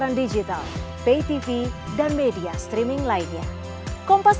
orang tua hanya mendoakan